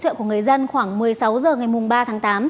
dự hỗ trợ của người dân khoảng một mươi sáu h ngày ba tháng tám